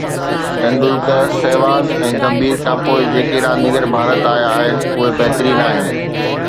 ٽنڊولڪر، سهواگ ۽ گمڀير کان پوءِ جيڪي رانديگر ڀارت آيا آهن اهي بهترين آهن